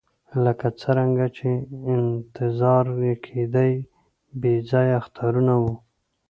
لکه څرنګه چې انتظار یې کېدی بې ځایه اخطارونه وو.